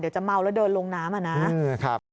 จะเมาแล้วเดินลงน้ำอ่ะนะ